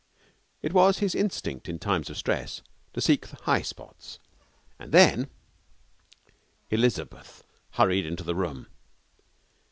It was his instinct in times of stress to seek the high spots. And then Elizabeth hurried into the room.